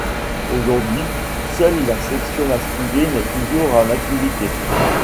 Aujourd'hui, seule la section masculine est toujours en activité.